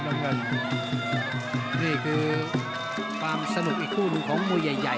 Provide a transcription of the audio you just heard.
น้ำเงินนี่คือความสนุกอีกคู่หนึ่งของมวยใหญ่ใหญ่